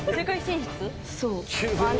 そう。